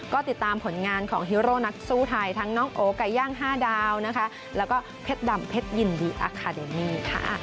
ก็ติดตามผลงานของฮีโร่นักสู้ไทยทั้งน้องโอไก่ย่าง๕ดาวนะคะแล้วก็เพชรดำเพชรยินดีอาคาเดมี่ค่ะ